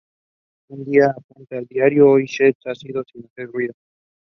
No house structures were reported in these excavations.